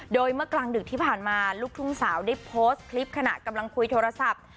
โดยเมื่อกลางดึกที่ผ่านมาลูกทุ่งสาวได้โพสต์คลิปขณะกำลังคุยโทรศัพท์